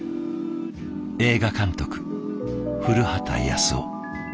映画監督降旗康男。